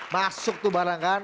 masuk tuh barangkahan